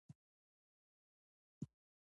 په ټوله لار یې فکر واهه.